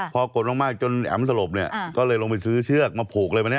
พอกดมากจนแอ๋มสลบเนี่ยก็เลยลงไปซื้อเชือกมาผูกเลยวันนี้